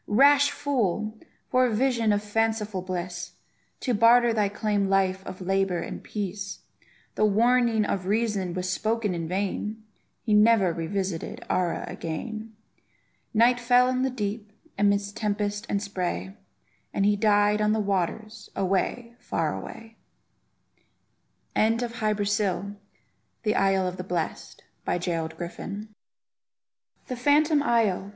Rash fool! for a vision of fanciful bliss, To barter thy calm life of labour and peace. The warning of reason was spoken in vain; He never revisited Ara again! Night fell on the deep, amidst tempest and spray, And he died on the waters, away, far away! THE PHANTOM ISLE.